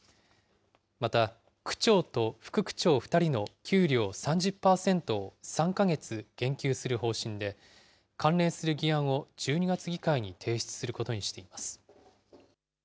また、区長と副区長２人の給料３０％を３か月減給する方針で、関連する議案を１２月議会に提出することにしています。